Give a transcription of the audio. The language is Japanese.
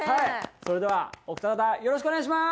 それではおふた方よろしくお願いします！